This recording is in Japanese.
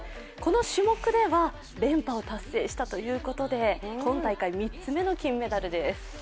この種目では連覇を達成したということで今大会３つの金メダルです。